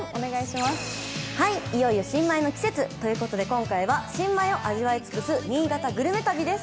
いよいよ新米の季節ということで、今回は「新米を味わい尽くす新潟グルメ旅」です。